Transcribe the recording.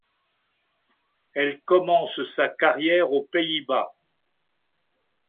Elle commence sa carrière aux Pays-Bas.